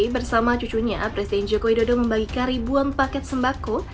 bersama cucunya presiden joko widodo membagikan ribuan paket sembako